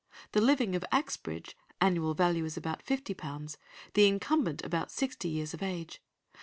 The living of Axbridge ... annual value is about fifty pounds. The incumbent about sixty years of age.